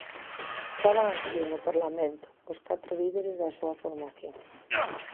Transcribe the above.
Estaban aquí, no Parlamento, os catro líderes da súa formación.